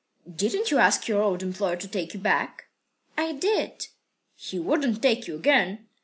"Didn't you ask your old employer to take you back?" "I did." "He wouldn't take you again?"